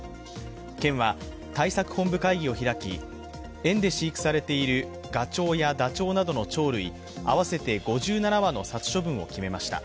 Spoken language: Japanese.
県は対策本部会議を開き園で飼育されているガチョウやダチョウなどの鳥類合わせて５７羽の殺処分を決めました。